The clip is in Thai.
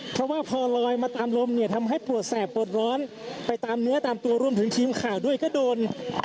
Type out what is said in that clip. เพราะว่าพอลอยมาตามลมเนี่ยทำให้ปวดแสบปวดร้อนไปตามเนื้อตามตัวรวมถึงทีมข่าวด้วยก็โดน